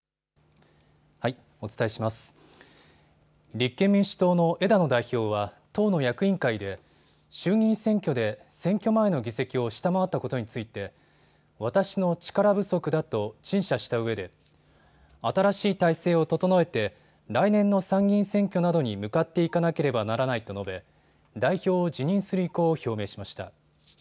立憲民主党の枝野代表は党の役員会で衆議院選挙で選挙前の議席を下回ったことについて私の力不足だと陳謝したうえで新しい体制を整えて来年の参議院選挙などに向かっていかなければならないと述べ代表を辞任する意向を表明しました。